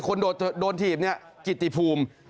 คนโดนถีบเนี่ยกิติภูมิ